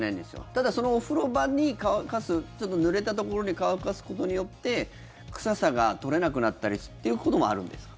ただ、そのお風呂場に乾かすちょっと濡れたところに乾かすことによって臭さが取れなくなったりっていうこともあるんですか？